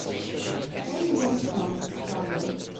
Story was from Chicago.